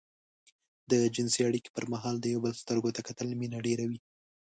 د جنسي اړيکې پر مهال د يو بل سترګو ته کتل مينه ډېروي.